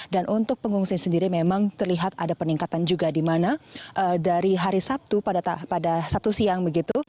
dan untuk pengungsi sendiri memang terlihat ada peningkatan juga di mana dari hari sabtu pada sabtu siang begitu